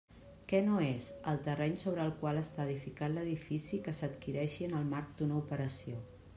Què no és: el terreny sobre el qual està edificat l'edifici que s'adquireixi en el marc d'una operació.